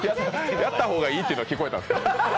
「やった方がいい」っていうのは聞こえたんですね。